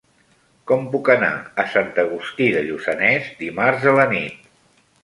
Com puc anar a Sant Agustí de Lluçanès dimarts a la nit?